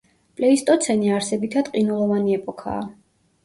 პლეისტოცენი არსებითად ყინულოვანი ეპოქაა.